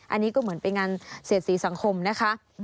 อันนี้ก็เหมือนเป็นงานเสียดสีสังคมนะคะ